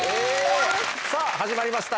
さぁ始まりました